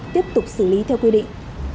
tiếp tục xử lý theo quy định